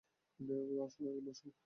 আসো, বসো।